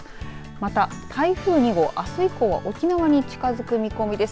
また台風２号、あす以降は沖縄に近づく見込みです。